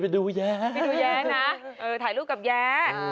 ไปดูแย้นะถ่ายรูปแบบแย้